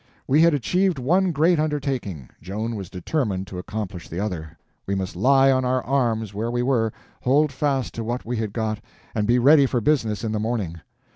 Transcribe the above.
We had achieved one great undertaking, Joan was determined to accomplish the other. We must lie on our arms where we were, hold fast to what we had got, and be ready for business in the morning.